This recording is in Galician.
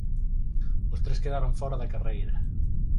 Os tres quedaron fóra da carreira.